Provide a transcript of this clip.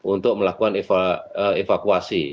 untuk melakukan evakuasi